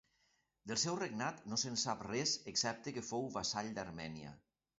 Del seu regnat no se'n sap res excepte que fou vassall d'Armènia.